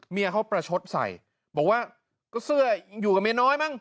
เมียเขาประชดใส่บอกว่าก็เสื้อยังอยู่กับเมียน้อยมั้ง